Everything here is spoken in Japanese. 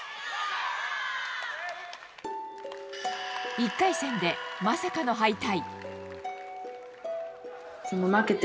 １回戦でまさかの敗退。